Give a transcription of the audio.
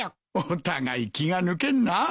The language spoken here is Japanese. お互い気が抜けんなあ。